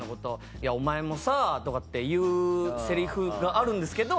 「いやお前もさ」とかっていうセリフがあるんですけど。